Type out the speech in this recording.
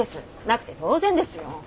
なくて当然ですよ。